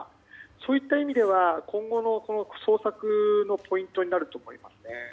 そういったことが今後の捜索のポイントになると思います。